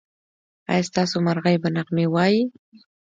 ایا ستاسو مرغۍ به نغمې وايي؟